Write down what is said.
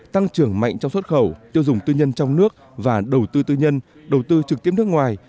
tăng trưởng mạnh trong xuất khẩu tiêu dùng tư nhân trong nước và đầu tư tư nhân đầu tư trực tiếp nước ngoài